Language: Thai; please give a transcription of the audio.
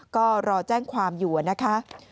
ก็รอแจ้งความอยู่นะคะ